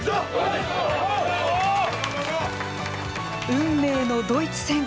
運命のドイツ戦。